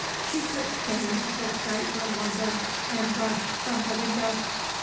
She could stand the sight no longer, and rushed from the window.